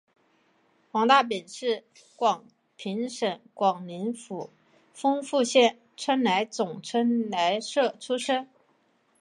黄大秉是广平省广宁府丰富县春来总春来社出生。